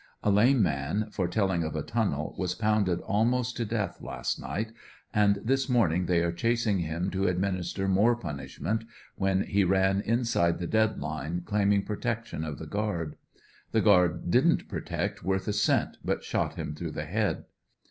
A lame man, for telling of a tunnel, was pounded almost to death last night, and this morning Ihey were chasing him to administer more punishment, when he ANDERSONVILLE DIART, 57 ran inside the dead line claiming protection of the guard. The guard didn't protect worth a cent, but shot him through the head.